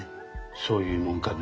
そういうもんかね。